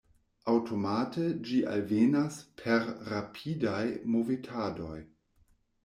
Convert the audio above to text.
Aŭtomate ĝi alvenas per rapidaj movetadoj.